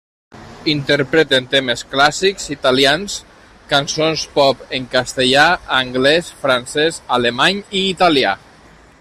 Interpreten temes clàssics italians, cançons pop en castellà, anglès, francès, alemany i italià.